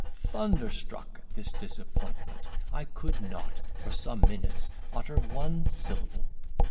"Thunderstruck at this disappointment, I could not, for some minutes, utter one syllable.